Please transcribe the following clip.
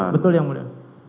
betul yang mulia